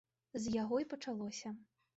З яго і пачалося.